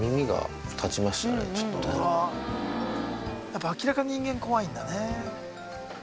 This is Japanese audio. やっぱ明らかに人間怖いんだね。